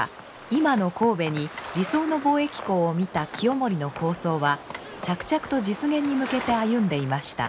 今の神戸に理想の貿易港を見た清盛の構想は着々と実現に向けて歩んでいました。